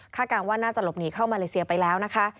การว่าน่าจะหลบหนีเข้ามาเลเซียไปแล้วนะคะ